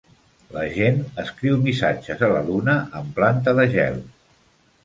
La gent escriu missatges a la duna amb planta de gel.